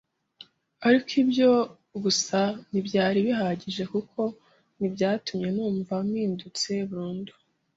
ariko ibyo gusa ntibyari bihagije kuko ntibyatumye numva mpindutse burundu